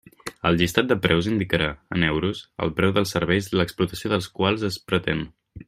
El llistat de preus indicarà, en euros, el preu dels serveis l'explotació dels quals es pretén.